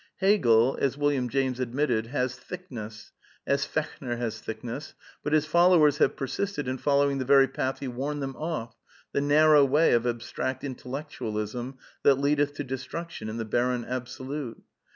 Hegel, as William James admitte3^ has "thickness " (as Fechner has thick ness), but his followers have persisted in following the very \ path he warned them off — the narrow way of abstract in C^,.^r\f 0 tellectualism that leadeth to destruction in the barren Abso ^"^ lute.